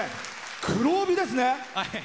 黒帯びですね。